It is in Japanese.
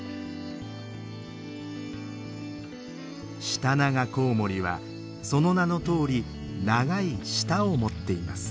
シタナガコウモリはその名のとおり長い舌を持っています。